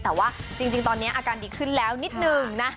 แต่ว่าจริงตอนนี้อาการดีขึ้นแล้วนิดนึงนะ